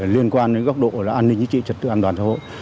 liên quan đến góc độ là an ninh chính trị trật tự an toàn xã hội